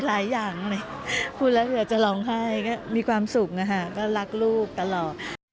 หรายอย่างหล่อจะร้องไห้ก็มีความสุขก็รักลูกกันก็หลอด